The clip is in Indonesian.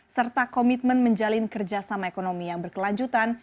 serta komitmen menjalin kerjasama ekonomi yang berkelanjutan